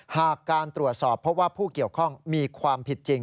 หากการตรวจสอบเพราะว่าผู้เกี่ยวข้องมีความผิดจริง